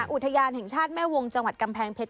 อุทยานแห่งชาติแม่วงจังหวัดกำแพงเพชร